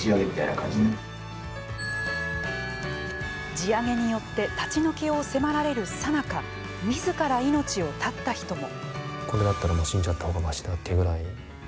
地上げによって立ち退きを迫られるさなかみずから命を絶った人も。